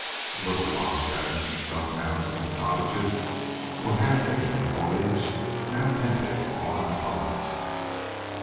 The little log cabins and stone houses and cottages were half hidden in foliage now tinted with autumn colors.